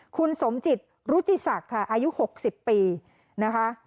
คุณสมจิตรุจิศักดิ์ค่ะอายุ๖๐ปีนะคะ